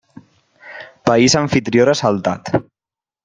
País amfitrió ressaltat.